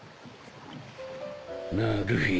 なあルフィ。